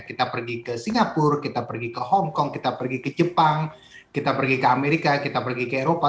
kita pergi ke singapura kita pergi ke hongkong kita pergi ke jepang kita pergi ke amerika kita pergi ke eropa